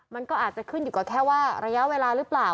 มันก็อาจจะขึ้นอยู่กับแค่ว่าระยะเวลาหรือเปล่า